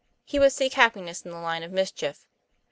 He would seek happiness in the line of mischief.